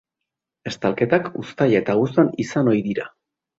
Estalketak uztaila eta abuztuan izan ohi dira.